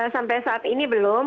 sampai saat ini belum